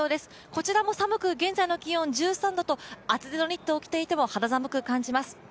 こちらも寒く、現在の気温１３度と厚手のニットを着ていても肌寒く感じます。